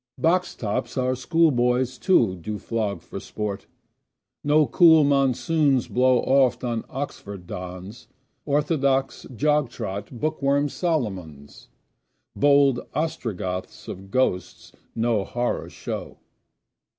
Box tops our schoolboys, too, do flog for sport. No cool monsoons blow oft on Oxford dons. Orthodox, jog trot, book worm Solomons! Bold Ostrogoths of ghosts no horror show.